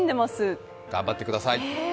えー。頑張ってください。